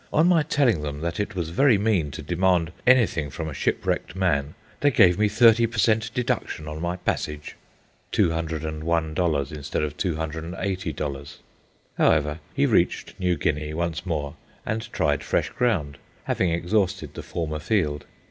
On my telling them that it was very mean to demand anything from a shipwrecked man, they gave me thirty per cent. deduction on my passage" 201 dollars instead of 280 dollars. However, he reached New Guinea once more and tried fresh ground, having exhausted the former field.